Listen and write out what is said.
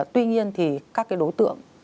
tuy nhiên thì các đối tượng